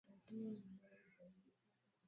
Hata hivyo wizara ya habari nchini Tanzania